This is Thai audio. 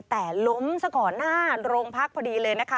แต่ล้มสะกอนะโรงพักพอดีเลยนะคะ